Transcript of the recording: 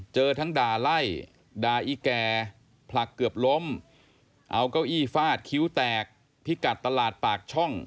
เจอทั้งด่าไล่ด่าอีแก่ผลักเกือบล้มเอาเก้าอี้ฟาดคิ้วแตกพิกัดตลาดปากช่อง